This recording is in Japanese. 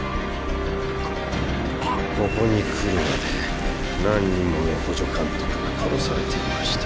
ここに来るまで何人もの補助監督が殺されていました。